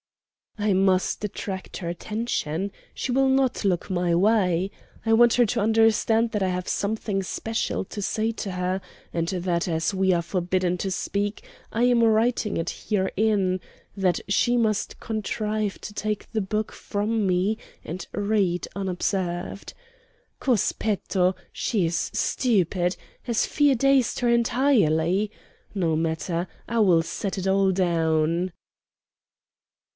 "I must attract her attention. She will not look my way. I want her to understand that I have something special to say to her, and that, as we are forbidden to speak, I am writing it herein that she must contrive to take the book from me and read unobserved. "_ Cos petto!_ she is stupid! Has fear dazed her entirely? No matter, I will set it all down."